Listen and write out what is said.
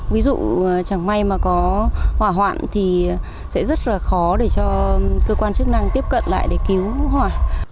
ví dụ chẳng may mà có hỏa hoạn thì sẽ rất là khó để cho cơ quan chức năng tiếp cận lại để cứu hỏa